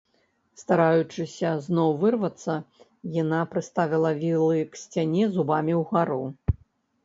Стараючыся зноў вырвацца, яна прыставіла вілы к сцяне зубамі ўгару.